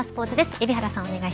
海老原さん